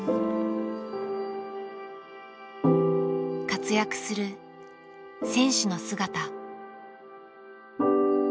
活躍する選手の姿。